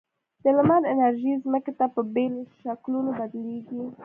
د لمر انرژي ځمکې ته په بېلو شکلونو بدلیږي.